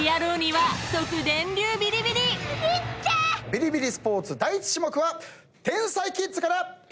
ビリビリスポーツ第１種目は天才キッズから１点決めろ！